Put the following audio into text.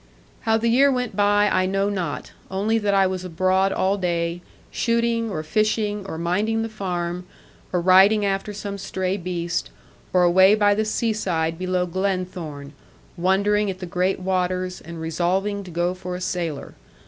How the year went by I know not, only that I was abroad all day, shooting, or fishing, or minding the farm, or riding after some stray beast, or away by the seaside below Glenthorne, wondering at the great waters, and resolving to go for a sailor.